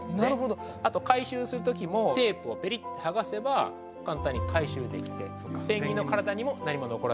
あと回収する時もテープをペリッて剥がせば簡単に回収できてペンギンの体にも何も残らない。